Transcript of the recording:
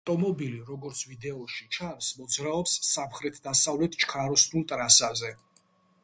ავტომობილი, როგორც ვიდეოში ჩანს, მოძრაობს სამხრეთდასავლეთ ჩქაროსნულ ტრასაზე.